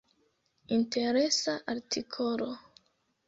Interesa artikolo.